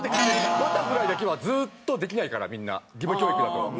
バタフライだけはずっとできないからみんな義務教育だと。